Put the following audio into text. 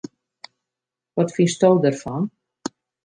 Wat fynsto derfan?